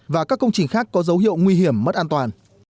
và các công trình khác có dấu hiệu nguy hiểm mất an toàn